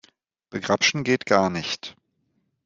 Begrapschen geht gar nicht.